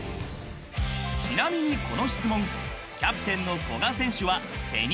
［ちなみにこの質問キャプテンの］